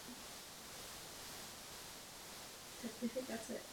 Došlo zde k závažnému střetu zájmů.